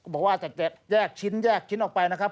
บอกว่าจะแยกชิ้นออกไปนะครับ